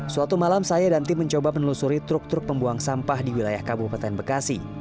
suatu malam saya dan tim mencoba menelusuri truk truk pembuang sampah di wilayah kabupaten bekasi